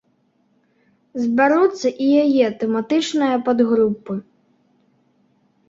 Збяруцца і яе тэматычныя падгрупы.